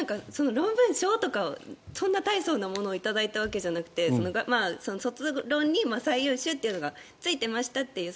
論文賞とかそんな大そうなものを頂いたわけじゃなくて卒論に最優秀というのがついてましたという。